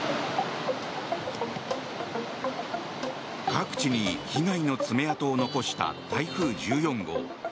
各地に被害の爪痕を残した台風１４号。